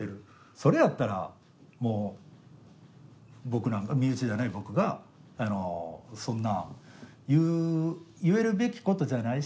それやったらもう僕なんか身内じゃない僕がそんな言う言えるべきことじゃないし